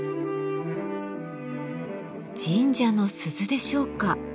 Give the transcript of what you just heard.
神社の鈴でしょうか。